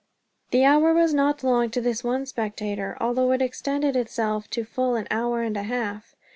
The hour was not long to this one spectator, although it extended itself to full an hour and a half.